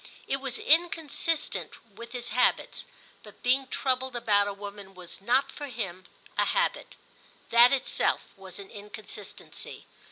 It was inconsistent with his habits; but being troubled about a woman was not, for him, a habit: that itself was an inconsistency.